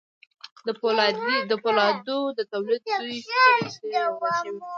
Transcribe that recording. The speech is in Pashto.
د پولادو د تولید دوې سترې څېرې یو ځای شوې